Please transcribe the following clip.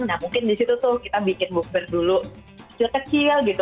nah mungkin disitu tuh kita bikin bookber dulu kecil kecil gitu